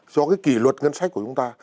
do cái kỷ luật ngân sách của chúng ta